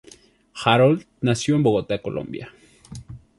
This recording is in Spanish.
Harold nació en Bogotá, Colombia.